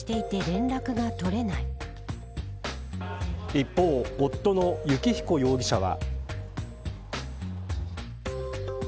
一方、夫の幸彦容疑者は。